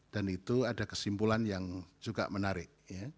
itu ada kesimpulan yang juga menarik